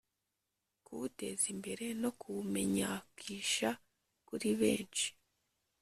kuwuteza imbere no kuwumenyakisha kuri benshi